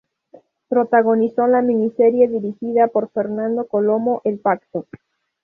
Protagonizó la miniserie dirigida por Fernando Colomo, "El pacto".